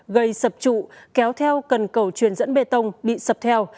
gây sập trụ kéo theo cần cầu truyền dẫn bê tông bị sập theo